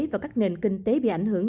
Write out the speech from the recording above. và các nền kinh tế bị ảnh hưởng